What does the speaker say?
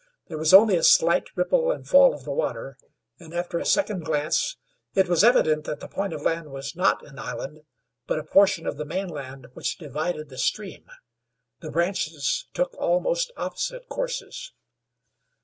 There was only a slight ripple and fall of the water, and, after a second glance, it was evident that the point of land was not an island, but a portion of the mainland which divided the stream. The branches took almost opposite courses.